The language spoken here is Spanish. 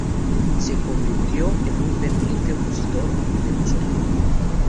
Se convirtió en un ferviente opositor de Mussolini.